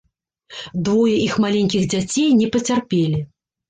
Двое іх маленькіх дзяцей не пацярпелі.